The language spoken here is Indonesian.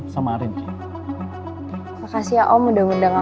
sampai jumpa di video selanjutnya